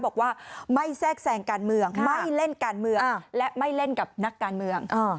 บอกว่าไม่แทรกแซงการเมืองไม่เล่นการเมืองและไม่เล่นกับนักการเมือง